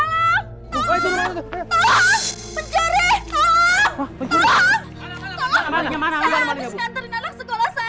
semua uang dan priaset saya habis pak